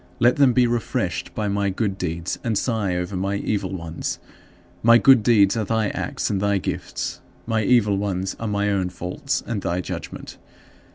Let them be refreshed by my good deeds and sigh over my evil ones. My good deeds are thy acts and thy gifts; my evil ones are my own faults and thy judgment.